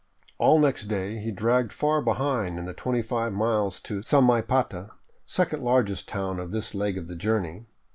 " All next day he dragged far behind in the twenty five miles to Samaipata, second largest town of this leg of the journey.